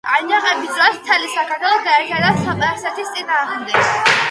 აჯანყების დროს მთელი საქართველო გაერთიანდა სპარსეთის წინააღმდეგ.